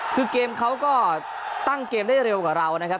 คือเกมเขาก็ตั้งเกมได้เร็วกว่าเรานะครับ